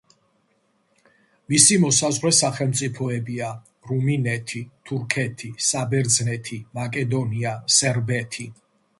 მისი მოსაზღვრე სახელმწიფოებია: რუმინეთი, თურქეთი, საბერძნეთი, მაკედონია, სერბეთი.